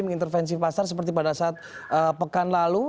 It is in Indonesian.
mengintervensi pasar seperti pada saat pekan lalu